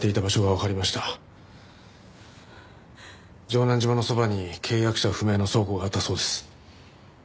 城南島のそばに契約者不明の倉庫があったそうです。